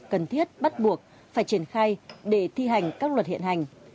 cần thiết bắt buộc phải triển khai để thi hành các luật hiện hành